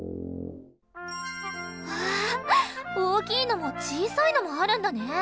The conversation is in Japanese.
わ大きいのも小さいのもあるんだね。